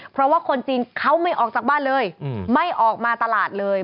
เพราะว่าคนจีนเขาไม่ออกจากบ้านเลยไม่ออกมาตลาดเลย